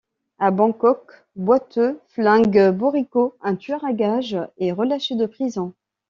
A Bangkok, Boiteux Flingue Bourricot, un tueur à gage, est relâché de prison.